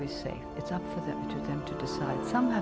hanya untuk mereka untuk memutuskan